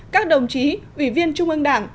các đồng chí ủy viên trung ương đảng